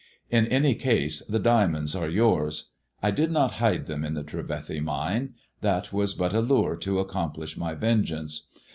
In any case the diamonds are yours. I did not hide them in the Trevethy Mine — that was but a lure to accomplish my vengeance.